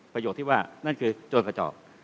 ประโยคที่ว่านั่นคือโจรกระจอก